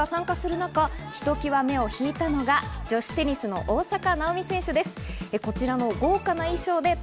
世界を代表するセレブが参加する中、ひときわ目を引いたのが女子テニスの大坂なおみ選手です。